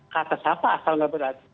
kata siapa asal nggak berat